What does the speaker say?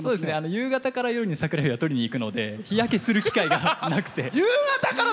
夕方から夜にサクラエビはとりにいくので日焼けする機会がなくて。